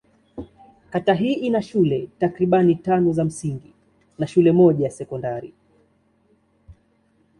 Kata hii ina shule takriban tano za msingi na shule moja ya sekondari.